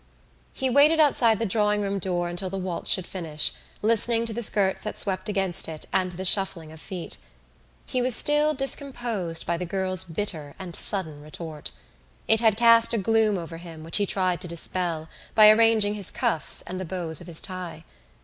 He waited outside the drawing room door until the waltz should finish, listening to the skirts that swept against it and to the shuffling of feet. He was still discomposed by the girl's bitter and sudden retort. It had cast a gloom over him which he tried to dispel by arranging his cuffs and the bows of his tie.